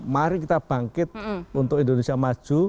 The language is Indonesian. mari kita bangkit untuk indonesia maju